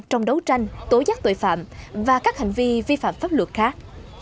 trong đấu tranh tố giác tội phạm và các hành vi vi phạm pháp luật khác